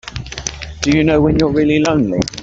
Do you know when you're really lonely?